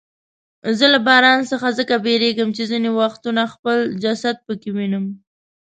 زه له باران څخه ځکه بیریږم چې ځیني وختونه خپل جسد پکې وینم.